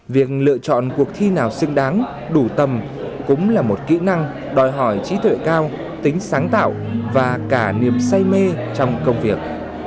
việc lựa chọn cuộc thi nào xứng đáng đủ tầm cũng là một kỹ năng đòi hỏi trí tuệ cao tính sáng tạo và cả niềm say mê trong công việc